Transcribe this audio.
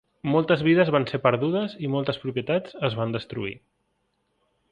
Moltes vides van ser perdudes i moltes propietats es van destruir.